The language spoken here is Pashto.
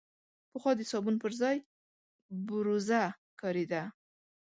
پخوا د صابون پر ځای بوروزه کارېده.